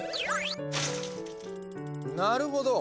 なるほど！